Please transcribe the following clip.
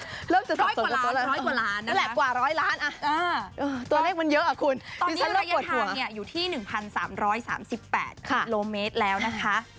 ตรงนี้เรียนทางเนี้ยอยู่ทีหนึ่งพันสามร้อยสามสิบแปดค่ะโลเมตรแล้วนะคะ